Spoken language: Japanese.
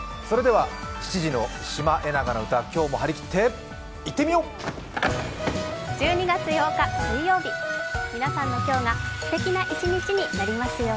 それでは７時の「シマエナガの歌」、今日もはりきっていってみよう！